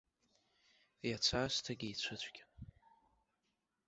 Иац аасҭагьы ицәыцәгьан.